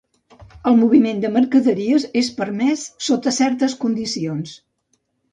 El moviment de mercaderies és permès sota certs condicionants.